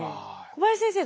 小林先生